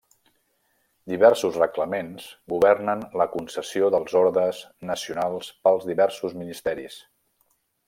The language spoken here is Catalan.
Diversos reglaments governen la concessió dels Ordes Nacionals pels diversos ministeris.